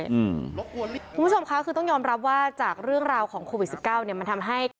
คุณผู้ชมคะคือต้องยอมรับว่าจากเรื่องราวของโควิด๑๙เนี่ยมันทำให้